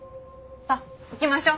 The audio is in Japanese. さあ行きましょう。